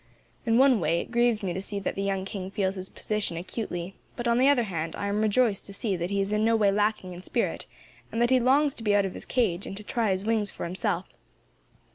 In one way, it grieves me to see that the young king feels his position acutely; but, on the other hand, I am rejoiced to see that he is in no way lacking in spirit, and that he longs to be out of his cage, and to try his wings for himself.